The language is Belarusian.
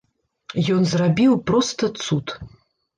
Ён зрабіў проста цуд.